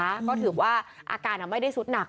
ก็ถือว่าอาการไม่ได้สุดหนัก